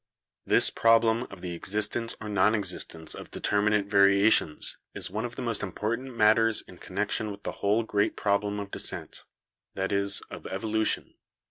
" This problem of the existence or non existence of de terminate variations is one of the most important matters in connection with the whole great problem of descent; that is, of evolution.